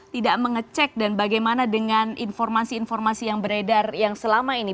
tidak mengecek dan bagaimana dengan informasi informasi yang beredar yang selama ini